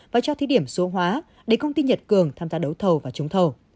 và cho thí điểm số hóa để công ty nhật cường tham gia đấu thầu và trúng thầu